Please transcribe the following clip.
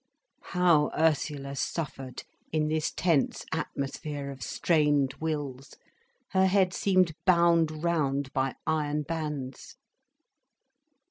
How Ursula suffered in this tense atmosphere of strained wills! Her head seemed bound round by iron bands.